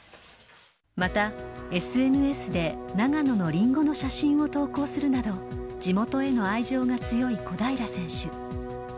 また、ＳＮＳで長野のリンゴの写真を投稿するなど、地元への愛情が強い小平選手。